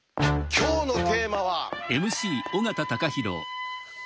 今日のテーマは。